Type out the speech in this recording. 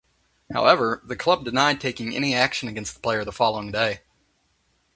However, the club denied taking any action against the player the following day.